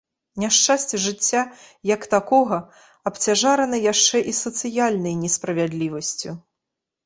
Няшчасці жыцця як такога абцяжараны яшчэ і сацыяльнай несправядлівасцю.